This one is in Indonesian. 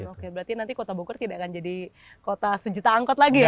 oke berarti nanti kota bogor tidak akan jadi kota sejuta angkot lagi ya